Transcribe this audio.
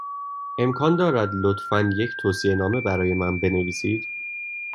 امکان دارد، لطفا، یک توصیه نامه برای من بنویسید؟